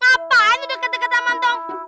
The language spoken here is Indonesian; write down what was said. hah apaan duduk deket deket taman tong